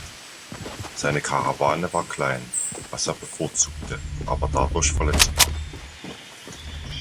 Seine Karawane war klein, was er bevorzugte, aber dadurch verletzbar.